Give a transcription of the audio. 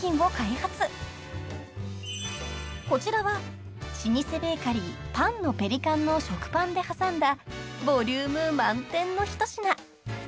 ［こちらは老舗ベーカリーパンのペリカンの食パンで挟んだボリューム満点の一品］